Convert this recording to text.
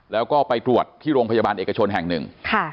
แล้วก็ไปตรวจที่โรงพยาบาลเอกชนแห่งหนึ่ง